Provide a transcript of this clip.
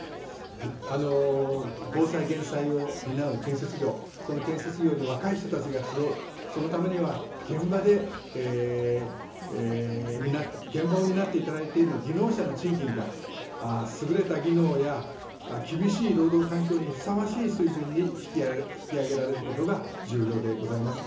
防災・減災を担う建設業、その建設業に若い人たちが集う、そのためには、現場で、現場を担っていただいている技能者の賃金が、優れた技能や、厳しい労働環境にふさわしい水準に引き上げられることが重要でございます。